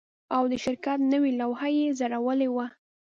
او د شرکت نوې لوحه یې ځړولې وه